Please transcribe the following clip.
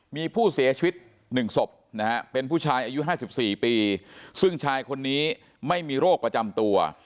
มีผู้เสียชีวิต๑ศพนะฮะเป็นผู้ชายอายุ๕๔ปีซึ่งชายคนนี้ไม่มีโรคประจำตัว